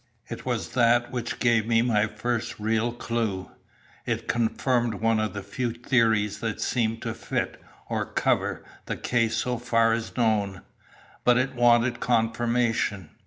"It was that which gave me my first real clue. It confirmed one of the few theories that seem to fit, or cover, the case so far as known; but it wanted confirmation.